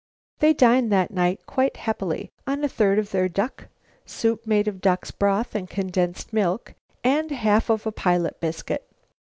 They dined that night, quite happily, on a third of their duck, soup made of duck's broth and condensed milk, and half of a pilot biscuit.